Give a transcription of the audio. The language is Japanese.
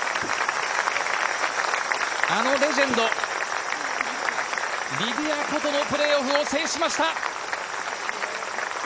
あのレジェンド、リディア・コとのプレーオフを制しました。